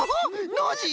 ノージー